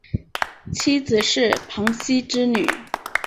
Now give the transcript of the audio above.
妻子是庞羲之女。